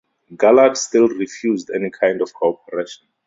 Galard still refused any kind of cooperation.